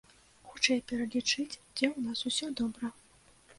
Хутчэй пералічыць, дзе ў нас усё добра.